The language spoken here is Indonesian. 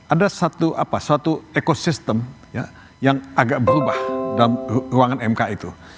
ada satu ekosistem yang agak berubah dalam ruangan mk itu